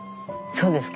そうですか。